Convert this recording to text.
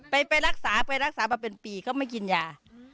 ไปรักษาไปรักษามาเป็นปีเขาไม่กินยา